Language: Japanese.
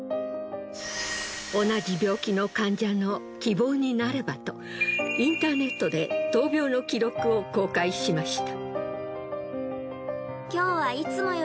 同じ病気の患者の希望になればとインターネットで闘病の記録を公開しました。